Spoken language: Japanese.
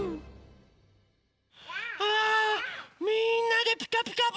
あみんなで「ピカピカブ！」